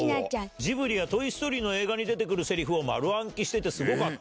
ジブリやトイ・ストーリーに出てくるせりふを丸暗記してて、すごかった。